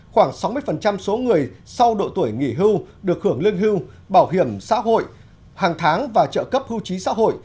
khoảng sáu mươi số người sau độ tuổi nghỉ hưu được hưởng lương hưu bảo hiểm xã hội hàng tháng và trợ cấp hưu trí xã hội